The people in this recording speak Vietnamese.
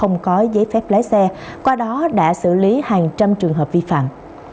giấy phép lái xe qua đó đã xử lý hàng trăm trường hợp vi phạm